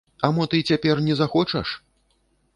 А мо ты цяпер не захочаш?